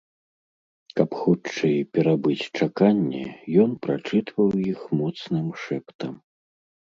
Каб хутчэй перабыць чаканне, ён прачытваў іх моцным шэптам.